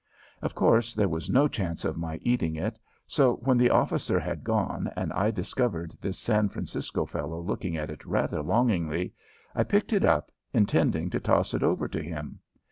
Of course, there was no chance of my eating it, so when the officer had gone and I discovered this San Francisco fellow looking at it rather longingly I picked it up, intending to toss it over to him.